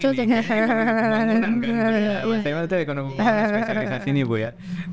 spesialisasi ini ibu ya